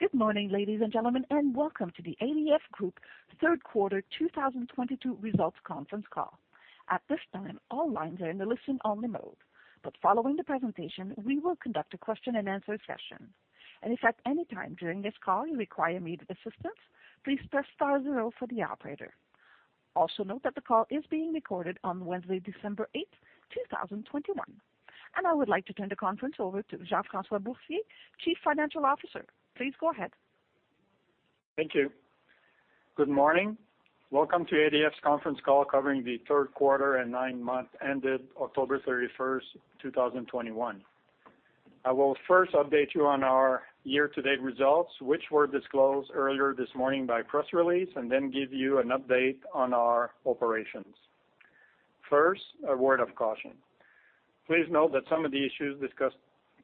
Good morning, ladies and gentlemen, and welcome to the ADF Group Third Quarter 2022 results conference call. At this time, all lines are in a listen-only mode, but following the presentation, we will conduct a question-and-answer session. If at any time during this call you require immediate assistance, please press star zero for the operator. Also note that the call is being recorded on Wednesday, December 8, 2021. I would like to turn the conference over to Jean-François Boursier, Chief Financial Officer. Please go ahead. Thank you. Good morning. Welcome to ADF's conference call covering the third quarter and nine months ended October 31, 2021. I will first update you on our year-to-date results, which were disclosed earlier this morning by press release, and then give you an update on our operations. First, a word of caution. Please note that some of the issues discussed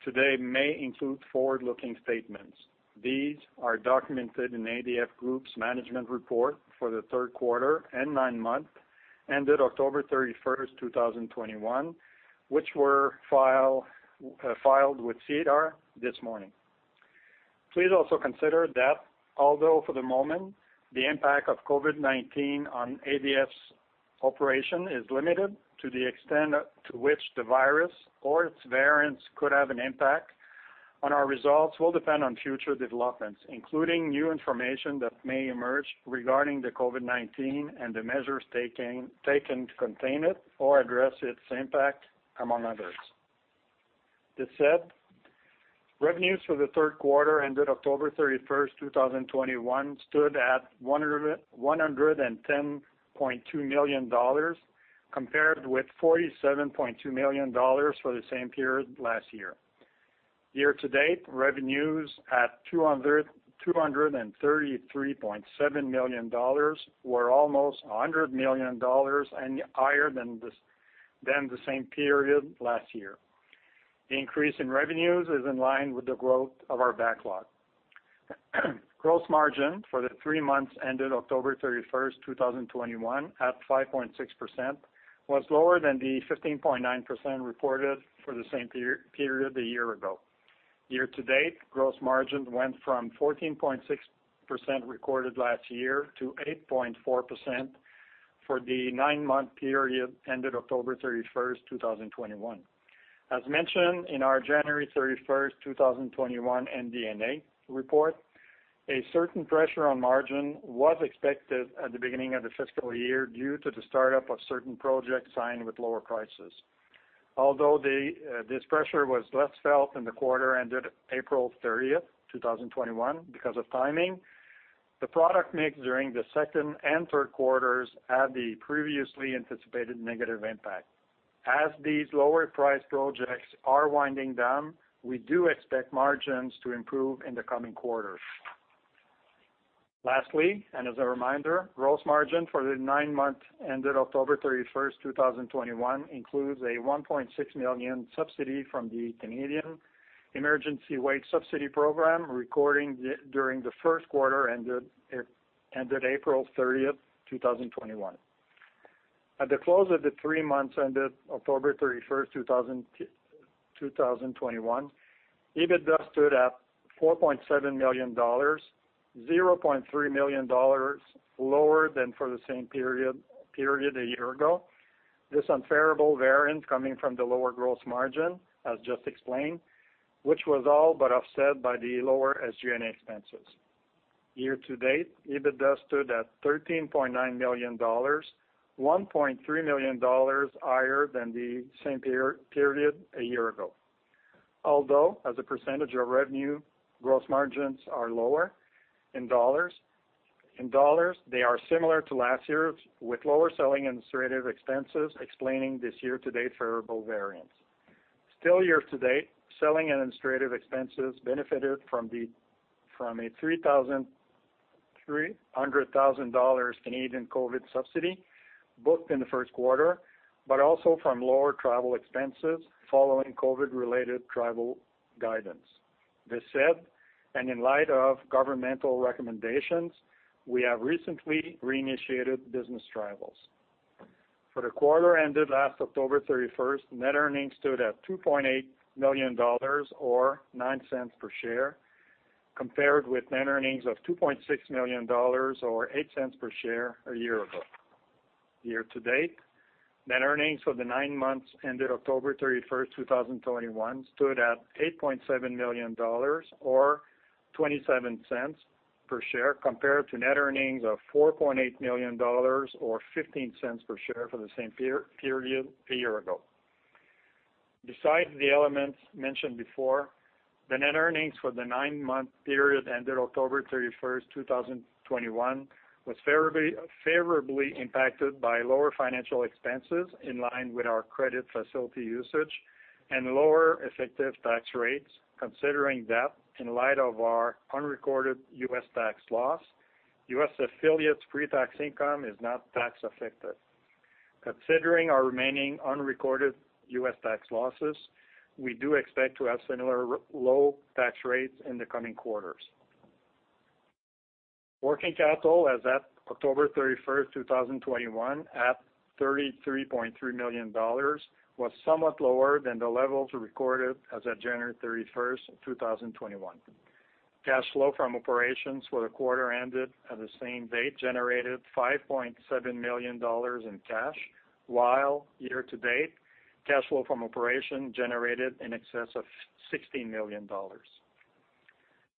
today may include forward-looking statements. These are documented in ADF Group's management report for the third quarter and nine months ended October 31, 2021, which were filed with SEDAR+ this morning. Please also consider that although for the moment, the impact of COVID-19 on ADF's operation is limited to the extent to which the virus or its variants could have an impact on our results will depend on future developments, including new information that may emerge regarding the COVID-19 and the measures taken to contain it or address its impact among others. This said, revenues for the third quarter ended October 31, 2021 stood at 110.2 million dollars compared with 47.2 million dollars for the same period last year. Year-to-date, revenues at 233.7 million dollars were almost 100 million dollars higher than the same period last year. The increase in revenues is in line with the growth of our backlog. Gross margin for the three months ended October 31, 2021, at 5.6%, was lower than the 15.9% reported for the same period a year ago. Year-to-date, gross margin went from 14.6% recorded last year to 8.4% for the nine-month period ended October 31, 2021. As mentioned in our January 31, 2021, MD&A report, a certain pressure on margin was expected at the beginning of the fiscal year due to the start-up of certain projects signed with lower prices. Although this pressure was less felt in the quarter ended April 30, 2021, because of timing, the product mix during the second and third quarters had the previously anticipated negative impact. As these lower price projects are winding down, we do expect margins to improve in the coming quarters. Lastly, as a reminder, gross margin for the nine months ended October 31, 2021, includes a 1.6 million subsidy from the Canada Emergency Wage Subsidy recorded during the first quarter ended April 30, 2021. At the close of the three months ended October 31, 2021, EBITDA stood at 4.7 million dollars, 0.3 million dollars lower than for the same period a year ago. This unfavorable variance coming from the lower gross margin, as just explained, which was all but offset by the lower SG&A expenses. Year-to-date, EBITDA stood at 13.9 million dollars, 1.3 million dollars higher than the same period a year ago. Although, as a percentage of revenue, gross margins are lower in dollars. In dollars, they are similar to last year's, with lower selling and administrative expenses explaining this year-to-date favourable variance. Still, year-to-date, selling and administrative expenses benefited from a 3.3 million dollars Canadian COVID subsidy, booked in the first quarter, but also from lower travel expenses following COVID-related travel guidance. That said, and in light of governmental recommendations, we have recently reinitiated business travels. For the quarter ended last October 31, net earnings stood at 2.8 million dollars or 0.09 per share, compared with net earnings of 2.6 million dollars or 0.08 per share a year ago. Year-to-date, net earnings for the nine months ended October 31, 2021, stood at 8.7 million dollars or 0.27 per share, compared to net earnings of 4.8 million dollars or 0.15 per share for the same period a year ago. Besides the elements mentioned before, the net earnings for the nine-month period ended October 31, 2021, was fairly favorably impacted by lower financial expenses in line with our credit facility usage and lower effective tax rates, considering that in light of our unrecorded U.S. tax loss, U.S. affiliates pre-tax income is not tax affected. Considering our remaining unrecorded U.S. tax losses, we do expect to have similar low tax rates in the coming quarters. Working capital as at October 31, 2021 at 33.3 million dollars was somewhat lower than the levels recorded as at January 31, 2021. Cash flow from operations for the quarter ended at the same date generated 5.7 million dollars in cash, while year-to-date, cash flow from operation generated in excess of 60 million dollars.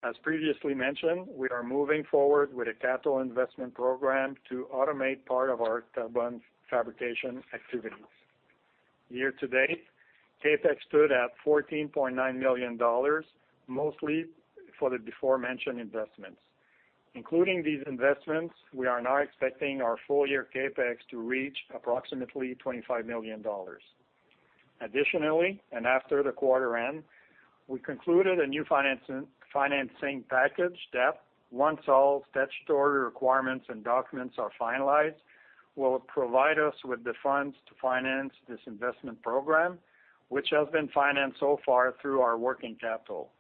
As previously mentioned, we are moving forward with a capital investment program to automate part of our turbine fabrication activities. Year-to-date, CapEx stood at 14.9 million dollars, mostly for the aforementioned investments. Including these investments, we are now expecting our full year CapEx to reach approximately 25 million dollars. Additionally, after the quarter end, we concluded a new financing package that once all statutory requirements and documents are finalized, will provide us with the funds to finance this investment program, which has been financed so far through our working capital.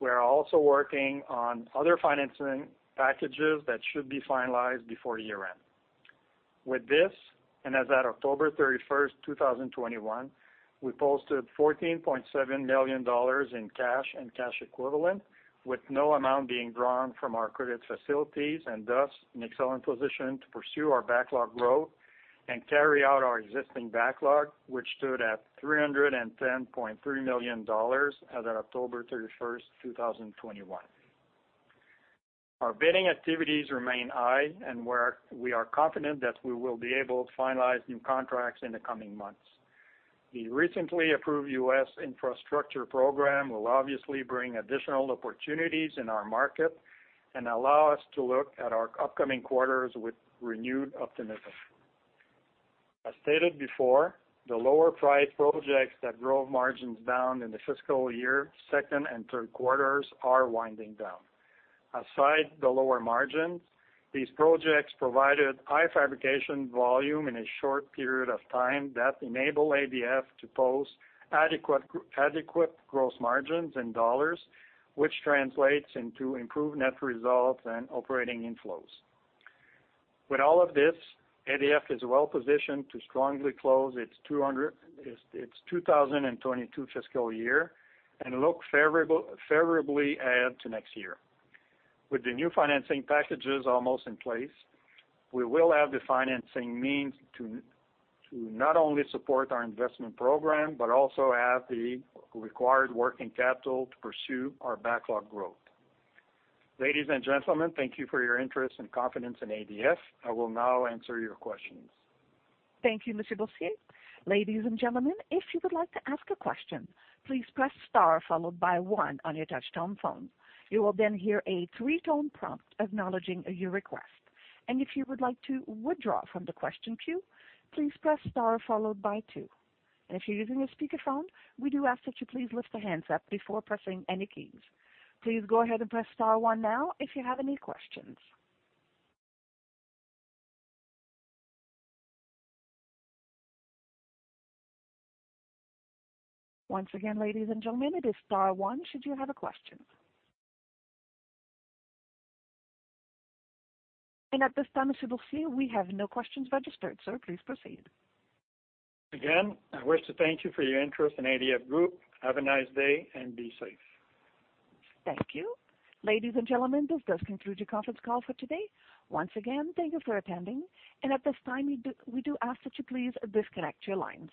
We are also working on other financing packages that should be finalized before year-end. With this, as at October 31, 2021, we posted 14.7 million dollars in cash and cash equivalents, with no amount being drawn from our credit facilities, and thus, an excellent position to pursue our backlog growth and carry out our existing backlog, which stood at 310.3 million dollars as at October 31, 2021. Our bidding activities remain high, and we are confident that we will be able to finalize new contracts in the coming months. The recently approved U.S. infrastructure program will obviously bring additional opportunities in our market and allow us to look at our upcoming quarters with renewed optimism. As stated before, the lower price projects that drove margins down in the fiscal year, second and third quarters are winding down. Aside from the lower margins, these projects provided high fabrication volume in a short period of time that enable ADF to post adequate gross margins in dollars, which translates into improved net results and operating inflows. With all of this, ADF is well-positioned to strongly close its 2022 fiscal year and look favourably ahead to next year. With the new financing packages almost in place, we will have the financing means to not only support our investment program, but also have the required working capital to pursue our backlog growth. Ladies and gentlemen, thank you for your interest and confidence in ADF. I will now answer your questions. Thank you, Mr. Boursier. Ladies and gentlemen, if you would like to ask a question, please press star followed by one on your touchtone phone. You will then hear a three-tone prompt acknowledging your request. If you would like to withdraw from the question queue, please press star followed by two. If you're using a speakerphone, we do ask that you please lift the handset before pressing any keys. Please go ahead and press star one now if you have any questions. Once again, ladies and gentlemen, it is star one should you have a question. At this time, Mr. Boursier, we have no questions registered, sir. Please proceed. Again, I wish to thank you for your interest in ADF Group. Have a nice day and be safe. Thank you. Ladies and gentlemen, this does conclude your conference call for today. Once again, thank you for attending. At this time, we do ask that you please disconnect your lines.